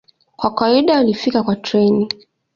Kwa kawaida walifika kwa treni.